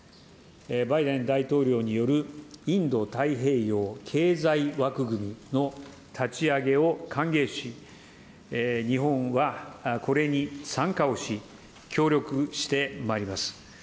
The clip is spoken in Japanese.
バイデン大統領によるインド太平洋経済枠組みの立ち上げを歓迎し、日本はこれに参加をし、協力してまいります。